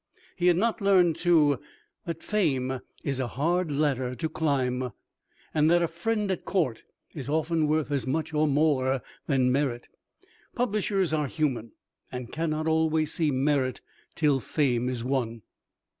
He had not learned, too, that fame is a hard ladder to climb, and that a "friend at court" is often worth as much, or more, than merit. Publishers are human, and cannot always see merit till fame is won.